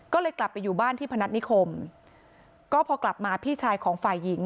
ก็เลยกลับไปอยู่บ้านที่พนัฐนิคมก็พอกลับมาพี่ชายของฝ่ายหญิง